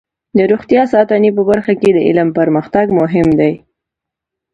د روغتیا ساتنې په برخه کې د علم پرمختګ مهم دی.